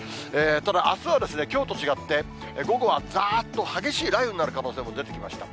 ただ、あすはきょうと違って、午後はざーっと激しい雷雨になる可能性も出てきました。